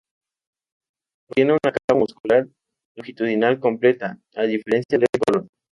Contiene una capa muscular longitudinal completa, a diferencia del colon.